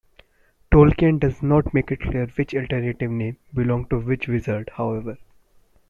Tolkien does not make it clear which alternative name belongs to which wizard, however.